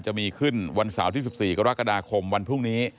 จะมีขึ้นวันเสาร์ที่๑๔กรกฎาคมวันพรุ่งนี้